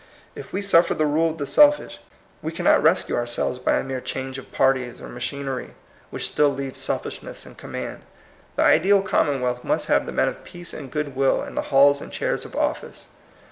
If we suffer the rule of the selfish, we cannot rescue POSSIBLE REVOLUTION. 165 ourselves by a mere change of parties or machinery, which still leaves selfishness in command. The ideal commonwealth must have the men of peace and good will in the halls and chairs of office.